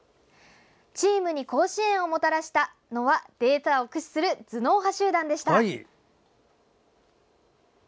チームに甲子園をもたらしたのはデータを駆使する頭脳派集団でした。